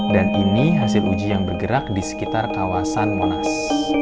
dan ini hasil uji yang bergerak di sekitar kawasan monas